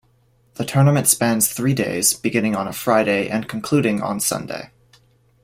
The tournament spans three days, beginning on a Friday and concluding on Sunday.